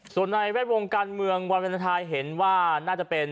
ส่วนในแวดวงการเมืองวันวาเลนไทยเห็นว่าน่าจะเป็น